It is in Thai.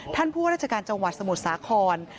ท่านผู้รัฐกรรมจังหวัดสมุดสาขร